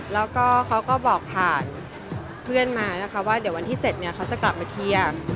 แล้วก็เขาก็บอกผ่านเพื่อนมานะคะว่าเดี๋ยววันที่๗เนี่ยเขาจะกลับมาเคลียร์